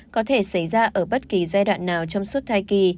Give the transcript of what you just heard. có thể xảy ra ở bất kỳ giai đoạn nào trong suốt thai kỳ